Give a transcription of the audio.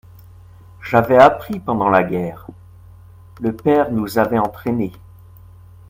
J’avais appris pendant la guerre. Le père nous avait entraînés